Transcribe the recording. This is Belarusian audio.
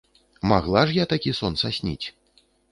Магла ж я такі сон сасніць.